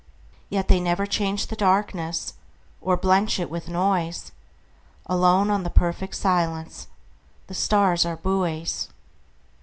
Yet they never change the darknessOr blench it with noise; Alone on the perfect silenceThe stars are buoys.